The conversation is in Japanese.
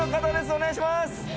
お願いします。